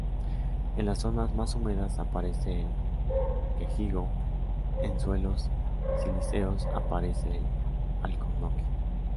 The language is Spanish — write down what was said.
En las zonas más húmedas aparece el quejigo; en suelos silíceos aparece el alcornoque.